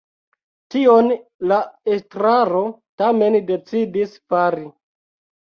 Tion la estraro tamen decidis fari.